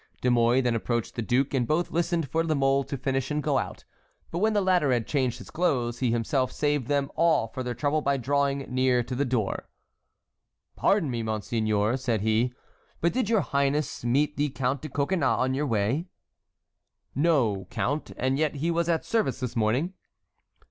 De Mouy then approached the duke, and both listened for La Mole to finish and go out; but when the latter had changed his clothes, he himself saved them all further trouble by drawing near to the door. "Pardon me, monseigneur," said he, "but did your highness meet the Count de Coconnas on your way?" "No, count, and yet he was at service this morning."